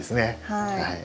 はい。